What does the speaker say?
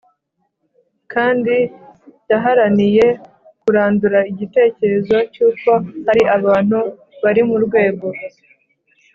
kandi yaharaniye kurandura igitekerezo cy’uko hari abantu bari mu rwego